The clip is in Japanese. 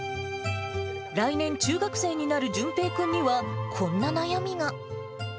来年、中学生になるじゅんぺい君には、こんな悩みが。